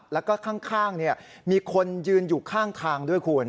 แล้วก็ข้างมีคนยืนอยู่ข้างทางด้วยคุณ